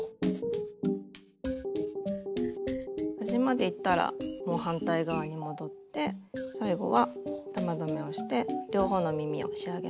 端までいったらもう反対側に戻って最後は玉留めをして両方の耳を仕上げます。